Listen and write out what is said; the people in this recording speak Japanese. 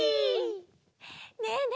ねえねえ